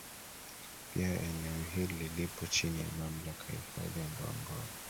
Pia eneo hili lipo chini ya Mamlaka ya Hifadhi ya Ngorongoro